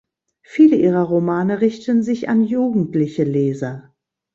Viele ihrer Romane richten sich an jugendliche Leser.